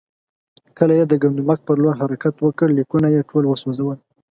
کله یې د ګندمک پر لور حرکت وکړ، لیکونه یې ټول وسوځول.